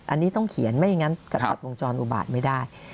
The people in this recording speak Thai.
อันนี้ต้องเขียนไม่อย่างนั้นจะตัดวงจรอุบาตไม่ได้